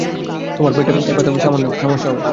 তোমার এই পেট-পাতলামিতে সামান্য একটু সমস্যা হবে।